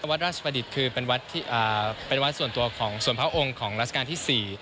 วัดราชประดิษฐ์คือเป็นวัดเป็นวัดส่วนตัวของส่วนพระองค์ของราชการที่๔